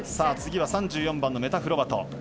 次は３４番のメタ・フロバト。